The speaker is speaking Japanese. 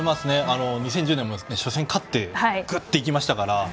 ２０１０年も初戦勝ってくっといきましたから。